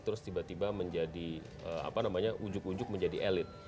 terus tiba tiba menjadi apa namanya ujug ujug menjadi elit